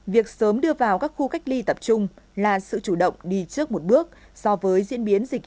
việc sớm đưa vào các khu cách ly tập trung là sự chủ động đi trước một bước so với diễn biến dịch